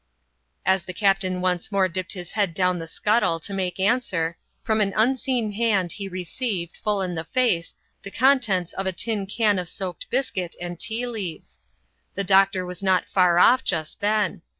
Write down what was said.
As the captain once more dipped his head down the scuttle to make answer, from an imseen hand he received, full in the face, the contents of a tin can of soaked biscuit and tea leaves. The doctor was not far off just then.